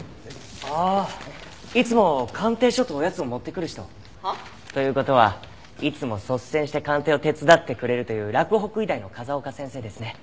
あっいつも鑑定書とおやつを持ってくる人。はあ？という事はいつも率先して鑑定を手伝ってくれるという洛北医大の風丘先生ですね。